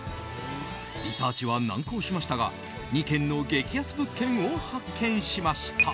リサーチは難航しましたが２軒の激安物件を発見しました。